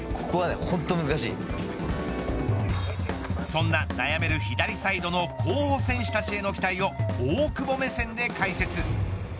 そんな悩める左サイドの候補選手たちへの期待を大久保目線で解説。